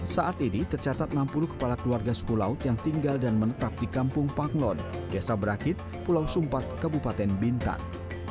saat ini tercatat enam puluh kepala keluarga suku laut yang tinggal dan menetap di kampung panglon desa berakit pulau sumpat kabupaten bintan